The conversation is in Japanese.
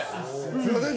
すいません